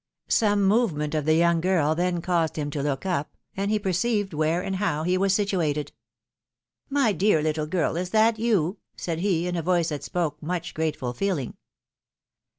Some movement of the young girl then caused him to look up, and he perceived where and how he was situated. " My dear little girl, is that you ?" said he, in a voice that spoke much grateful feeling.